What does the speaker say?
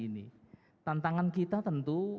ini tantangan kita tentu